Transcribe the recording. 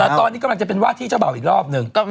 แต่ตอนนี้กำลังจะเป็นว่าที่เจ้าบ่าวอีกรอบนึง